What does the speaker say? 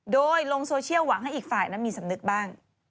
โดยลงโซเชียลหวังให้อีกฝ่ายนั้นมีสำนึกบ้าง